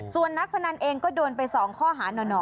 ส่วนนักพนันเองก็โดนไป๒ข้อหาหน่อ